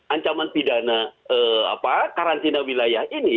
ancaman pidana karantina wilayah ini